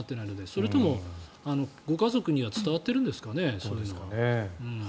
それとも、ご家族にはそういうの伝わっているんですかね。